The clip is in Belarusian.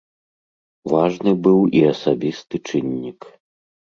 Важны быў і асабісты чыннік.